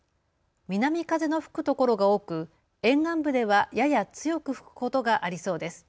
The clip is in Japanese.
南風の吹く所が多く沿岸部ではやや強く吹くことがありそうです。